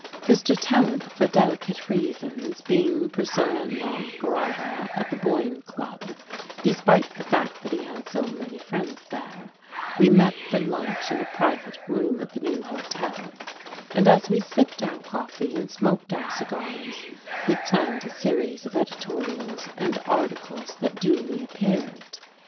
Mr. Tallant for delicate reasons being persona non grata at the Boyne Club, despite the fact that he had so many friends there, we met for lunch in a private room at the new hotel, and as we sipped our coffee and smoked our cigars we planned a series of editorials and articles that duly appeared.